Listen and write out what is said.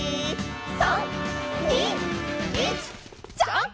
「３・２・１」「ジャンプ！」